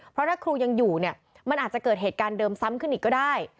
เพราะถ้าครูยังอยู่เนี่ยมันอาจจะเกิดเหตุการณ์เดิมซ้ำขึ้นอีกก็ได้